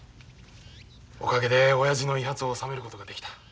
おかげで親父の遺髪を納めることができた。